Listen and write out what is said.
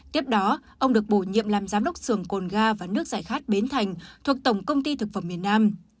tiếp đó ông được bổ nhiệm làm giám đốc sưởng cồn ga và nước giải khát bến thành thuộc tổng công ty thực phẩm miền nam